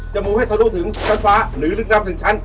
มูให้ทะลุถึงชั้นฟ้าหรือลึกลับถึงชั้น